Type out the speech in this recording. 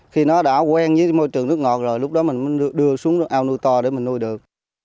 khi nó đã quen với môi trường nước ngọt rồi lúc đó mình mới đưa xuống ao nuôi to để mình nuôi được